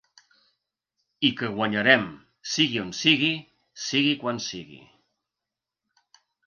I que guanyarem, sigui on sigui, sigui quan sigui.